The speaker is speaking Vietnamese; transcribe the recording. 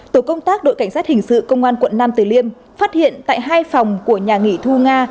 tổ công tác đội cảnh sát hình sự công an quận nam tử liêm phát hiện tại hai phòng của nhà nghỉ thu nga